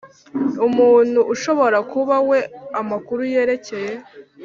umuntu ushobora kuba we amakuru yerekeye